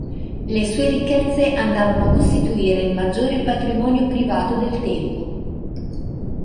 Le sue ricchezze andavano a costituire il maggiore patrimonio privato del tempo.